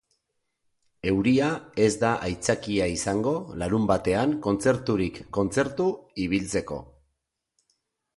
Euria ez da aitzakia izango larunbatean kontzerturik kontzertu ibiltzeko.